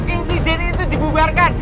insiden itu dibubarkan